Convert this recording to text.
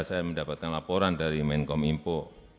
saya mendapatkan laporan dari menkomimpo